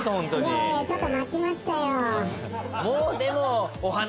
「いやいやちょっと待ちましたよ」